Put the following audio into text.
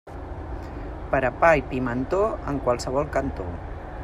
Per a pa i pimentó, en qualsevol cantó.